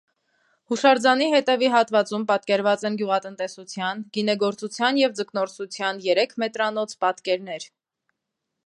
Հուշարձանի հետևի հատվածում պատկերված են գյուղատնտեսության, գինեգործության և ձկնորսության երեքմետրանոց պատկերներ։